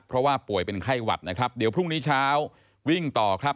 เพราะว่าป่วยเป็นไข้หวัดนะครับเดี๋ยวพรุ่งนี้เช้าวิ่งต่อครับ